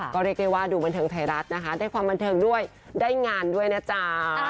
ก็เรียกได้ว่าดูบันเทิงไทยรัฐนะคะได้ความบันเทิงด้วยได้งานด้วยนะจ๊ะ